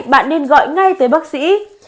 bạn nên gọi ngay tới bác sĩ